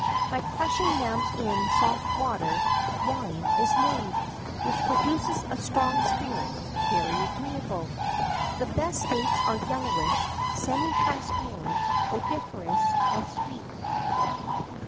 By crushing them in soft water wine is made, which produces a strong spirit, very agreeable. The best dates are yellowish, semi transparent, odoriferous, and sweet.